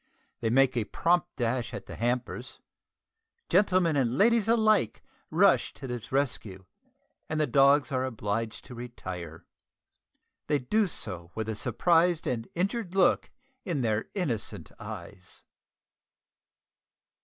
They make a prompt dash at the hampers. Gentlemen and ladies alike rush to the rescue, and the dogs are obliged to retire. They do so with a surprised and injured look in their innocent eyes.